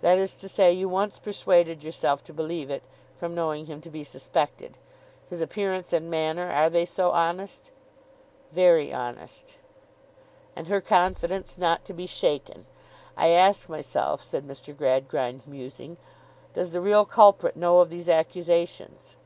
'That is to say, you once persuaded yourself to believe it, from knowing him to be suspected. His appearance and manner; are they so honest?' 'Very honest.' 'And her confidence not to be shaken! I ask myself,' said Mr. Gradgrind, musing, 'does the real culprit know of these accusations?